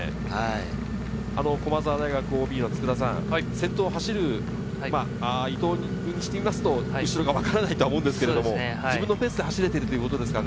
駒澤大学ＯＢ・佃さん、先頭を走る伊藤君にしてみますと、後ろがわからないとは思うんですが、自分のペースで走れているということですかね。